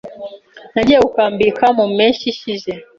Nagiye gukambika mu mpeshyi ishize.